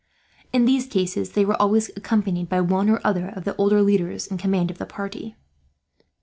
In these cases they were always accompanied by one or other of the older leaders, in command of the party.